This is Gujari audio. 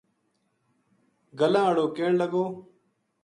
گلاں ہاڑو کہن لگو